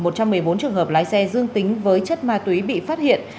một trăm một mươi bốn trường hợp lái xe dương tính với chất ma túy bị phát hiện